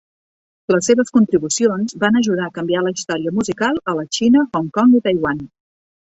Les seves contribucions van ajudar a canviar la història musical a la Xina, Hong Kong i Taiwan.